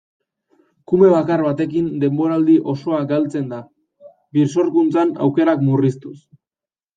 Kume bakar batekin denboraldi osoa galtzen da, birsorkuntza aukerak murriztuz.